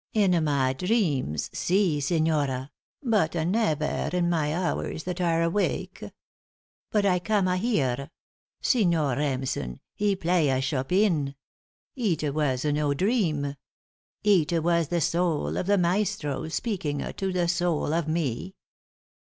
In my dreams si, signora, but nevaire in my hours that are awake. But I cama here! Signor Remsen he playa Chopin! Eet was no dream. Eet was the soul of the maestro speaking to the soul of me.